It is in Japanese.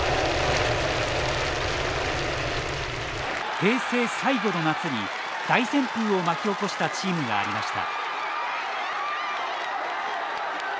平成最後の夏に大旋風を巻き起こしたチームがありました。